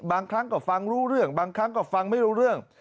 บางครั้งก็ฟังรู้เรื่องบางครั้งก็ฟังไม่รู้เรื่อง